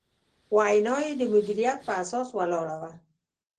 وینا یې د مدیریت په اساس ولاړه وه.